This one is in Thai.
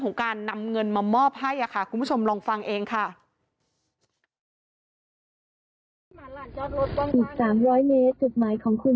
หนุ่ยวายตรงนี้มอบสุดแล้วก็ว่ามันมีไอ้บางกันมันไม่มีคนกัน